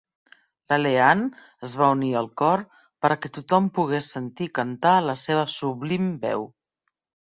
La Leanne es va unir al cor per a que tothom pogués sentir cantar la seva sublim veu.